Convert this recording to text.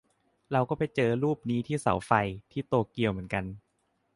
เราก็ไปเจอรูปนี้ที่เสาไฟ ที่โตเกียวเหมือนกัน